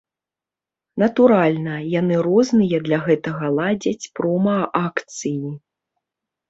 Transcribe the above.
Натуральна, яны розныя для гэтага ладзяць промаакцыі.